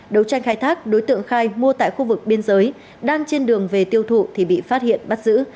đấu tranh khai thác đối tượng khai mua tại khu vực biên giới đang trên đường về tiêu thụ thì bị phát hiện bắt giữ